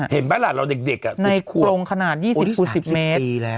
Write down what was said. เห็นไหมล่ะเราเด็กอ่ะในโครงขนาด๒๐๒๐เมตรโอ้ที่๓๐ปีแล้ว